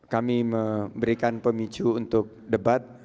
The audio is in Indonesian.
kami memberikan pemicu untuk debat